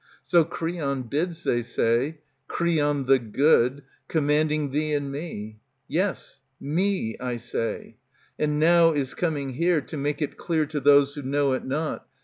So Creon bids, they say, Creon the good, commanding thee and me, — Yes, me, I say, — and now is coming here, To make it clear to those who know it not.